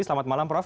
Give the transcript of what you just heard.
selamat malam prof